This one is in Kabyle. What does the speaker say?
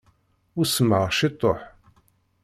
Usmeɣ ciṭuḥ.